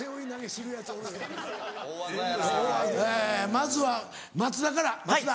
まずは松田から松田。